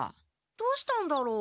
どうしたんだろう？